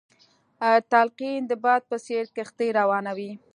تلقين د باد په څېر کښتۍ روانوي.